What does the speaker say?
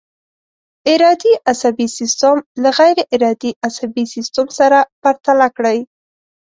ارادي عصبي سیستم له غیر ارادي عصبي سیستم سره پرتله کړئ.